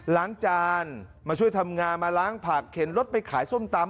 ล้างจานมาช่วยทำงานมาล้างผักเข็นรถไปขายส้มตำ